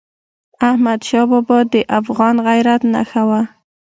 احمدشاه بابا د افغان غیرت نښه وه.